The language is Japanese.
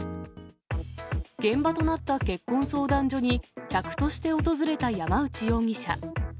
現場となった結婚相談所に客として訪れた山内容疑者。